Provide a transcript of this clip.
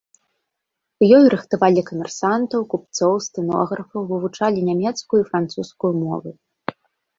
У ёй рыхтавалі камерсантаў, купцоў, стэнографаў, вывучалі нямецкую і французскую мовы.